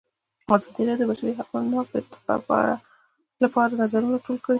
ازادي راډیو د د بشري حقونو نقض د ارتقا لپاره نظرونه راټول کړي.